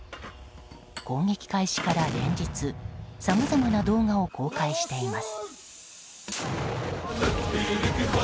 攻撃開始から連日さまざまな動画を公開しています。